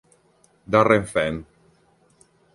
Darren Fenn